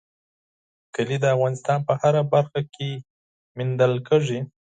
کلي د افغانستان په هره برخه کې موندل کېږي.